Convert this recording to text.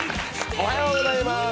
おはようございます。